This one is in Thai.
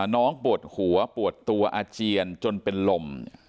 น้องปวดหัวปวดตัวอาเจียนจนเป็นลม